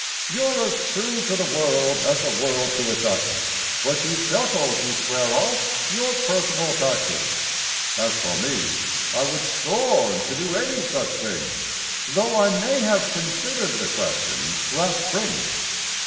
You're as true to the world as the world to its axis, But you chuckle to swear off your personal taxes. As for me, I would scorn to do any such thing, (Though I may have considered the question last spring.)